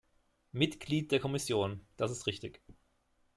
Mitglied der Kommission. Das ist richtig.